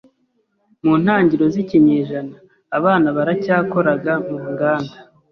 Mu ntangiriro z'ikinyejana, abana baracyakoraga mu nganda.